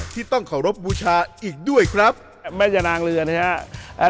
ที่ต้องขอรบบูชาอีกด้วยครับแม่ย่านางเรือนะฮะอ่า